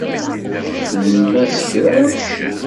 Txedmem-as kra?